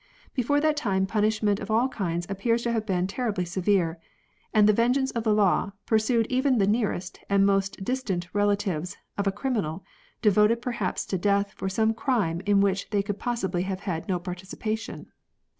Before that time punishments of all kinds appear to have been terribly severe, and the vengeance of the law pursued even the nearest and most distant relatives of a criminal devoted perhaps to death for some crime in which they could possibly have had no participation.